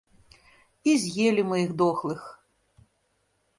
І з'елі мы іх дохлых.